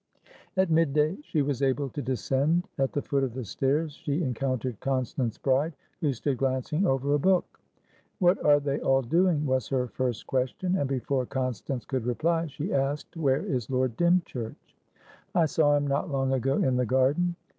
At mid day she was able to descend At the foot of the stairs, she encountered Constance Bride, who stood glancing over a book. "What are they all doing?" was her first question. And, before Constance could reply, she asked "Where is Lord Dymchurch?" "I saw him not long ago in the garden."